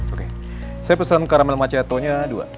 oke saya pesen karamel macchiato nya dua